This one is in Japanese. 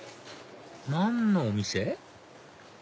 何のお店？